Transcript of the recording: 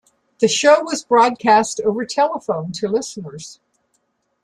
The show was broadcast over telephone to listeners.